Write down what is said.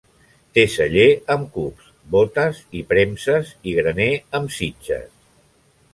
Té celler amb cups, bótes i premses, i graner amb sitges.